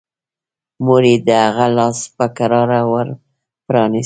مور يې د هغه لاس په کراره ور پرانيست.